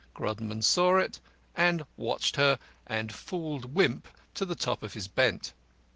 Grodman saw it, and watched her, and fooled Wimp to the top of his bent.